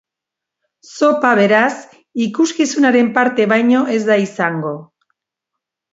Zopa beraz, ikuskizunaren parte baino ez da izango.